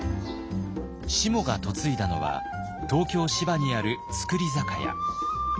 しもが嫁いだのは東京・芝にある造り酒屋。